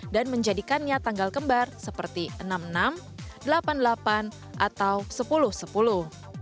dan menjadikannya tanggal kembar seperti enam puluh enam delapan puluh delapan atau sepuluh sepuluh